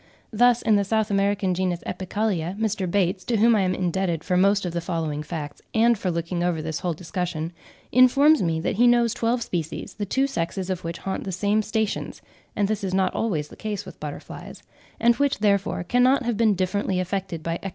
Thus in the South American genus Epicalia, Mr. Bates, to whom I am indebted for most of the following facts, and for looking over this whole discussion, informs me that he knows twelve species, the two sexes of which haunt the same stations (and this is not always the case with butterflies), and which, therefore, cannot have been differently affected by external conditions.